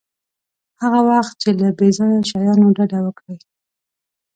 هغه وخت چې له بې ځایه شیانو ډډه وکړئ.